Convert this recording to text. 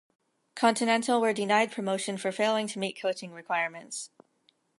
Continental were denied promotion for failing to meet coaching requirements.